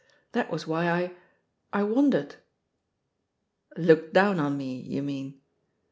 That was why I — I wondered." "Looked down on me, you mean?